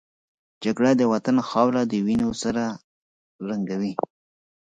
جګړه د وطن خاوره د وینو سره رنګوي